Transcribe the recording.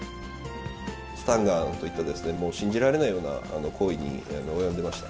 スタンガンといったですね、もう信じられないような行為に及んでました。